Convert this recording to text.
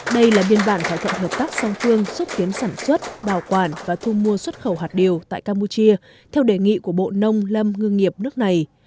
đây là biên bản thỏa thuận hợp tác song phương xúc tiến sản xuất bảo quản và thu mua xuất khẩu hạt điều tại campuchia theo đề nghị của bộ nông lâm ngư nghiệp nước này